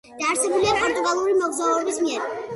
დაარსებულია პორტუგალიელი მოგზაურების მიერ.